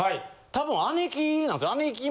多分姉貴なんです。